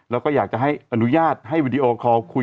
แล้วก็อยากจะอนุญาตให้วิดีโอกรอบคุยกับลูกได้